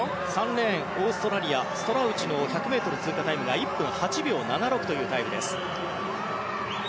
３レーン、オーストラリアストラウチの１００ｍ通過タイムは１分８秒７６というタイムです。